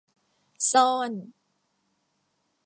ซ่อน